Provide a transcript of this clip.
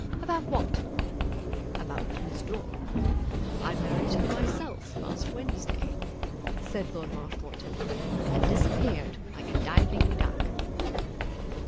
"About what?" "About Miss Dore. I married her myself last Wednesday," said Lord Marshmoreton, and disappeared like a diving duck.